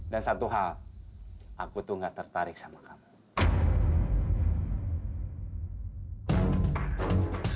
satu hal aku tuh gak tertarik sama kamu